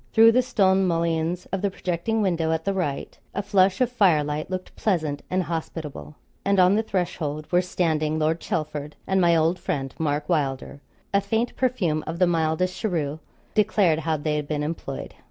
Through the stone mullions of the projecting window at the right, a flush of fire light looked pleasant and hospitable, and on the threshold were standing Lord Chelford and my old friend Mark Wylder; a faint perfume of the mildest cheroot declared how they had been employed.